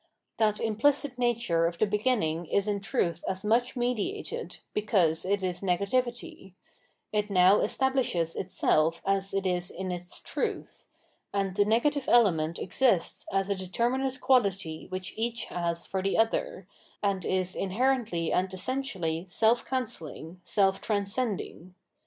That implicit nature of the beginning is in truth as much mediated, because it is negativity; it now establishes itself as it is in its truth ; and the negative element exists as a determinate quality which each has for the other, and is inherently and essentially self cancelling, self transcending.